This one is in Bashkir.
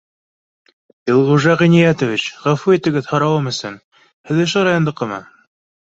— Илғужа Ғиниәтович, ғәфү итегеҙ һорауым өсөн, һеҙ ошо райондыҡымы?